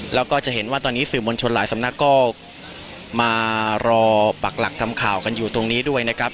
แล้วก็จะเห็นว่าตอนนี้สื่อมวลชนหลายสำนักก็มารอปักหลักทำข่าวกันอยู่ตรงนี้ด้วยนะครับ